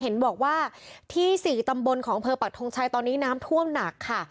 เห็นบอกว่าที่๔ตำบลของอำเภอปักทงชัยตอนนี้น้ำท่วมหนักค่ะ